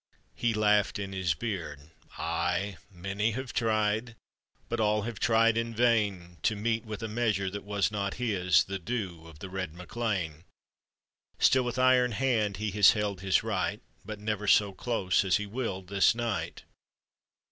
He laughed in his beard: "Ay, many have tried, But all have tried in vain, To mete with a measure that was not his The due of the red MacLean; Still with iron hand he has held his right, But never so close as he will this night."